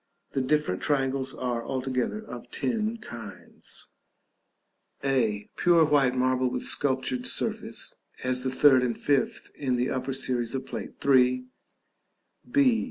The different triangles are, altogether, of ten kinds: a. Pure white marble with sculptured surface (as the third and fifth in the upper series of Plate III.). b.